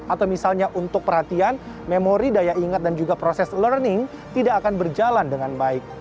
atau misalnya untuk perhatian memori daya ingat dan juga proses learning tidak akan berjalan dengan baik